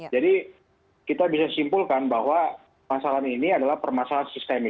jadi kita bisa simpulkan bahwa masalah ini adalah permasalahan sistemik